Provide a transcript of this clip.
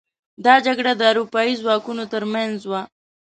دا جګړه د اروپايي ځواکونو تر منځ وه.